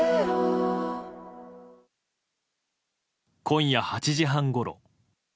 今夜８時半ごろ。